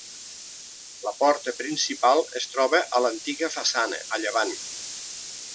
La porta principal es troba a l'antiga façana, a llevant.